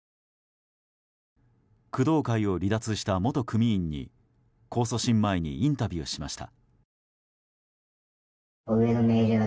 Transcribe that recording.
工藤会を離脱した元組員に控訴審前にインタビューしました。